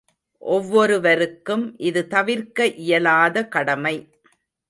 ஒவ்வொருவருக்கும் இது தவிர்க்க இயலாத கடமை.